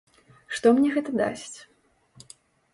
Што мне гэта дасць?